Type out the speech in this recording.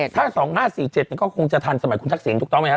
ถ้า๒๕๔๗ก็คงจะทันสมัยคุณทักษิณถูกต้องไหมครับ